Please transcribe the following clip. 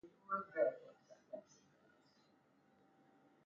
It feeds in the sea, and, unlike the great cormorant, is rare inland.